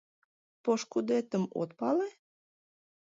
— Пошкудетым от пале?